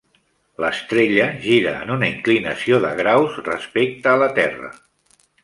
L'estrella gira en una inclinació de graus respecte a la Terra.